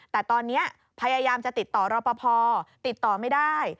แต่ตอนนี้พยายามจะติดต่อรอปภติดต่อไม่ได้